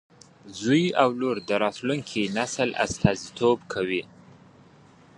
زوی او لور د راتلونکي نسل استازیتوب کوي.